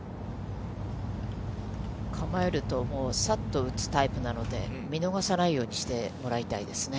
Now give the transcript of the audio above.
構えるともう、さっと打つタイプなので、見逃さないようにしてもらいたいですね。